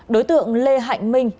đối tượng lê hạnh minh